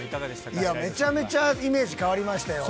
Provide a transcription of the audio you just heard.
いや、めちゃめちゃイメージ変わりましたよ。